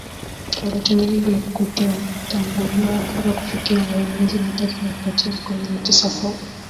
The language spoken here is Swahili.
watoto wengi kutotambuliwa mpaka kufikia umri wa miezi mitatu ilapaitin Kumi na tisa Kwa